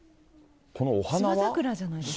芝桜じゃないですか。